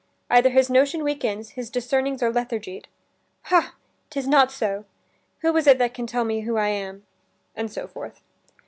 Either his notion weakens, his discernings Are lethargied. Ha! 'tis not so. Who is it that can tell me who I am?" And so forth.